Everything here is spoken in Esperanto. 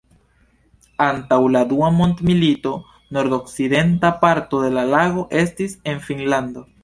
Antaŭ la dua mondmilito nordokcidenta parto de la lago estis en Finnlando.